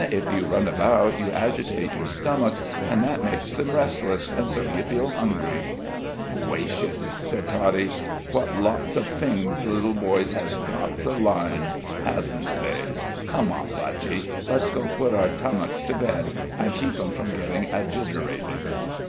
"If you run about, you agitate your stomachs, and that makes them restless, and so you feel hungry." "Gwacious!" said Toddie. "What lots of fings little boys has got to lyne (learn), hazn't they? Come on, Budgie let's go put our tummuks to bed, an' keep 'em from gettin' ajjerytated."